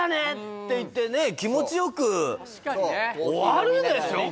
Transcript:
って言ってね気持ちよく終わるでしょ普通は。